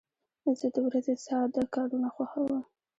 زه د ورځې ساده کارونه خوښوم.